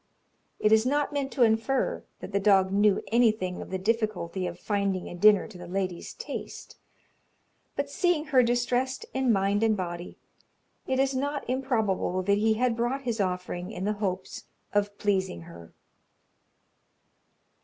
It is not meant to infer that the dog knew anything of the difficulty of finding a dinner to the lady's taste, but seeing her distressed in mind and body, it is not improbable that he had brought his offering in the hopes of pleasing her.